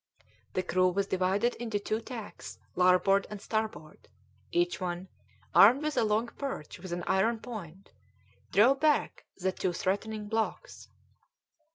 The crew was divided into two tacks, larboard and starboard; each one, armed with a long perch with an iron point, drove back the two threatening blocks.